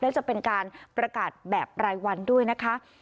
และจะเป็นการประกาศแบบรายวันด้วยนะคะ